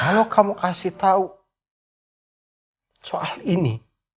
kalau kamu kasih tahu soal ini